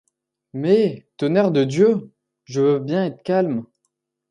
Mais, tonnerre de Dieu! je veux bien être calme.